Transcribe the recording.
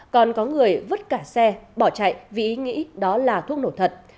còn có người vứt cả xe bỏ chạy vì ý nghĩ đó là thuốc nổ thật